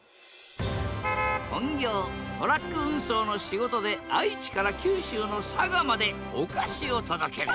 本業トラック運送の仕事で愛知から九州の佐賀までお菓子を届ける。